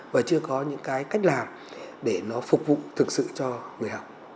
và chưa có những cái cách làm để nó phục vụ thực sự cho người học